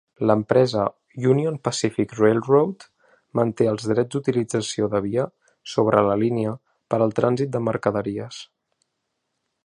L'empresa Union Pacific Railroad manté els drets d'utilització de via sobre la línia per al trànsit de mercaderies.